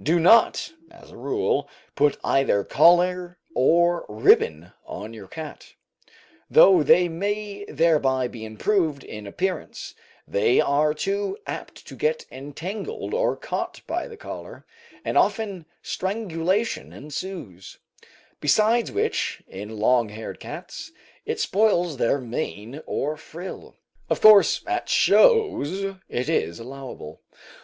Do not, as a rule, put either collar or ribbon on your cat; though they may thereby be improved in appearance, they are too apt to get entangled or caught by the collar, and often strangulation ensues; besides which, in long haired cats, it spoils their mane or frill. Of course at shows it is allowable.